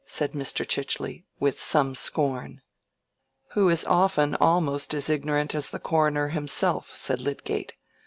said Mr. Chichely, with some scorn. "Who is often almost as ignorant as the coroner himself," said Lydgate.